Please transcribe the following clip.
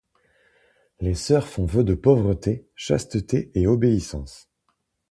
Les sœurs font vœux de pauvreté, chasteté et obéissance.